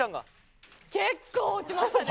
結構、落ちましたね。